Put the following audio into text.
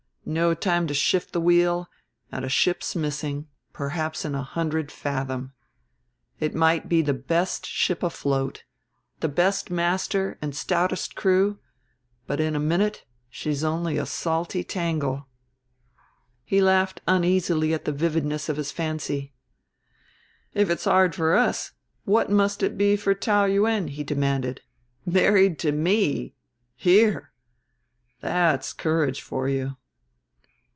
No time to shift the wheel, and a ship's missing, perhaps in a hundred fathom. It might be the best ship afloat, the best master and stoutest crew, but in a minute she's only a salty tangle." He laughed uneasily at the vividness of his fancy. "If it's hard for us what must it be for Taou Yuen?" he demanded. "Married to me! Here! That's courage for you."